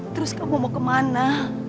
terus kamu mau kemana